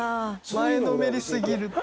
前のめりすぎるって。